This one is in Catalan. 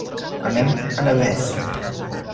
Anem a Navès.